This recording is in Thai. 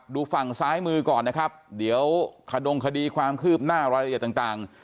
ดูฝั่งซ้ายมือก่อนนะครับเดี๋ยวขดงคดีความคืบหน้ารายละเอียดต่าง